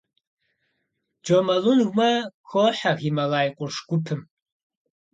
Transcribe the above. Джомолунгмэ хохьэ Гималай къурш гупым.